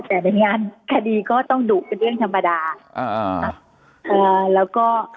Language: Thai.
แต่ในงานคดีก็ต้องดุกจนเดิมแปลงธรรมดาครับ